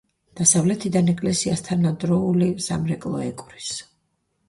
დასავლეთიდან ეკლესიას თანადროული სამრეკლო ეკვრის.